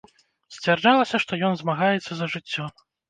Сцвярджалася, што ён змагаецца за жыццё.